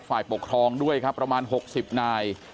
ฝ่ายปกท้องด้วยครับประมาณหกสิบนาย